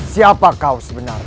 siapa kau sebenarnya